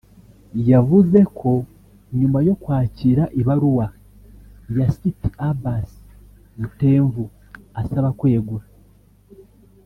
yavuze ko nyuma yo kwakira ibaruwa ya Sitti Abbas Mtemvu asaba kwegura